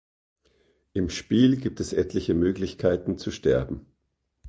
Im Spiel gibt es etliche Möglichkeiten zu sterben.